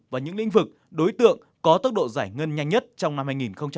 và những lĩnh vực đối tượng có tốc độ giải ngân nhanh nhất trong năm hai nghìn hai mươi